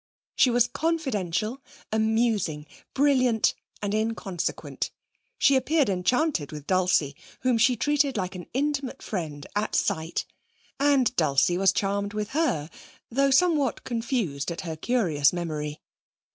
She was confidential, amusing, brilliant and inconsequent. She appeared enchanted with Dulcie, whom she treated like an intimate friend at sight. And Dulcie was charmed with her, though somewhat confused at her curious memory.